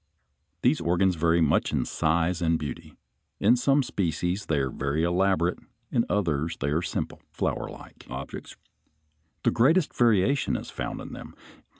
These organs vary much in size and beauty. In some species they are very elaborate, in others they are simple, flowerlike objects. The greatest variation is found in them.